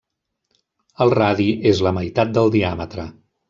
El radi és la meitat del diàmetre.